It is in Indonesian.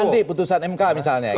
kalau terjadi apa ya namanya